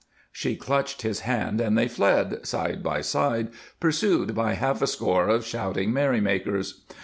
She clutched his hand and they fled, side by side, pursued by half a score of shouting merrymakers.